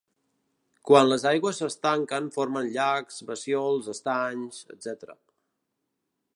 Quan les aigües s'estanquen formen llacs, bassiols, estanys, etc.